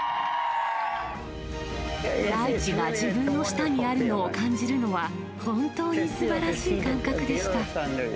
大地が自分の下にあるのを感じるのは、本当にすばらしい感覚でした。